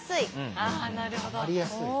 ああなるほど。